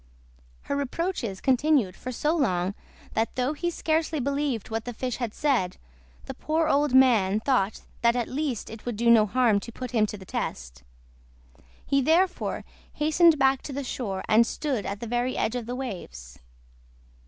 Her reproaches continued for so long that though he scarcely believed what the fish had said, the poor old man thought that at least it would do no harm to put him to the test. He therefore hastened back to the shore, and stood at the very edge of the waves.